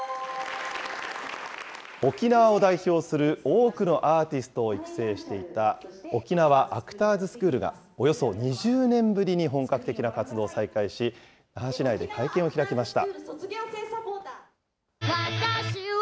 沖縄を代表する多くのアーティストを育成していた、沖縄アクターズスクールがおよそ２０年ぶりに本格的な活動を再開し、那覇市内で会見を開きました。